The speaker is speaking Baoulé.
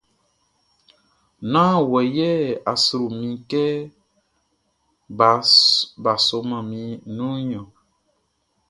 Nán wɔ yɛ a sro mi kɛ bʼa sɔman mi nunʼn niɔn.